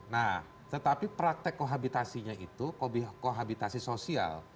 nah tetapi praktek kohabitasinya itu kohabitasi sosial